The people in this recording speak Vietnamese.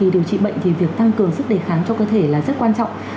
điều trị bệnh thì việc tăng cường sức đề kháng cho cơ thể là rất quan trọng